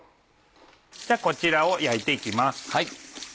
じゃあこちらを焼いて行きます。